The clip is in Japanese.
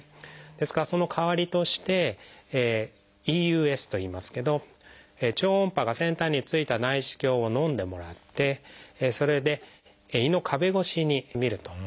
ですからその代わりとして「ＥＵＳ」といいますけど超音波が先端に付いた内視鏡をのんでもらってそれで胃の壁越しにみるという検査を行います。